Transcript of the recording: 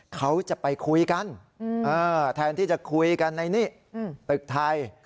เขาจะไปคุยกันแทนที่จะคุยกันในนี้ตึกไทย